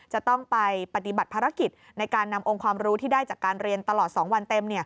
จะต้องไปปฏิบัติภารกิจในการนำองค์ความรู้ที่ได้จากการเรียนตลอด๒วันเต็ม